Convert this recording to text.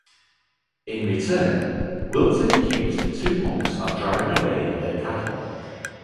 In return Wilton accused the two monks of driving away her cattle.